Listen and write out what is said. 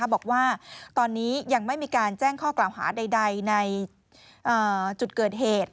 บอกว่าตอนนี้ยังไม่มีการแจ้งข้อกล่าวหาใดในจุดเกิดเหตุ